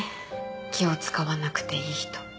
気を使わなくていい人。